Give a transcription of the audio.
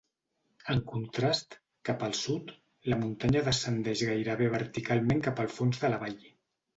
En contrast, cap al sud, la muntanya descendeix gairebé verticalment cap al fons de la vall.